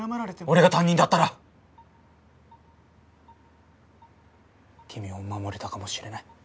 俺が担任だったら君を守れたかもしれない。